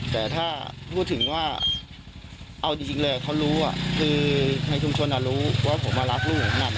แต่ถ้าพูดถึงว่าเอาจริงเลยเขารู้คือในชุมชนรู้ว่าผมมารักลูกผมน่ะ